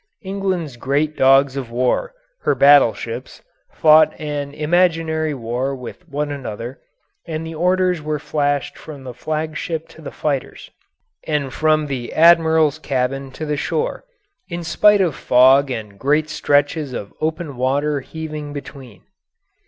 England's great dogs of war, her battle ships, fought an imaginary war with one another and the orders were flashed from the flagship to the fighters, and from the Admiral's cabin to the shore, in spite of fog and great stretches of open water heaving between.